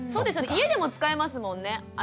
家でも使えますもんね。